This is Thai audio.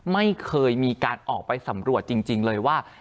ไม่เคยมีการออกไปสำรวจจริงเลยว่า